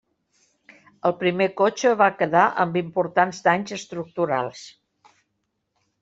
El primer cotxe va quedar amb importants danys estructurals.